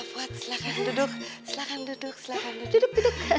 pak fuad silahkan duduk silahkan duduk silahkan duduk